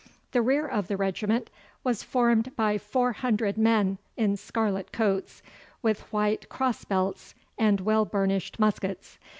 The rear of the regiment was formed by four hundred men in scarlet coats, with white cross belts and well burnished muskets.